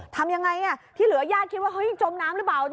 ทำยังไงที่เหลือญาติคิดว่าเฮ้ยจมน้ำหรือเปล่า